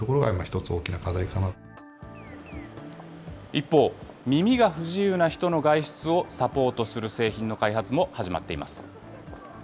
一方、耳が不自由な人の外出をサポートする製品の開発も始まっています。